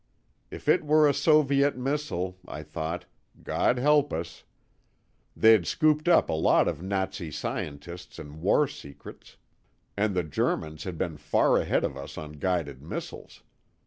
If it were a Soviet missile, I thought, God help us. They'd scooped up a lot of Nazi scientists and war secrets. And the Germans had been far ahead of us on guided missiles.